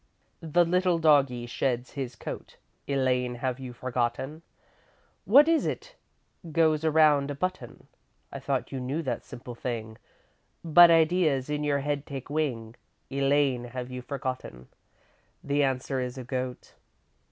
"The little doggie sheds his coat, Elaine, have you forgotten? What is it goes around a button? I thought you knew that simple thing, But ideas in your head take wing. Elaine, have you forgotten? The answer is a goat.